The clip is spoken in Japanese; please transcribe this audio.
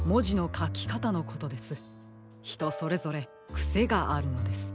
ひとそれぞれくせがあるのです。